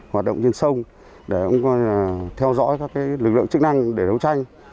hoạt động trên sông để ông theo dõi các lực lượng chức năng để đấu tranh